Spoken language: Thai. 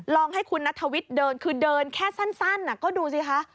ลองให้คุณนัทวิทย์เดินคือเดินแค่สั้นก็ดูสิคะ